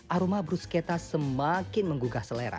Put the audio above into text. aroma bruschetta semakin menggugah selera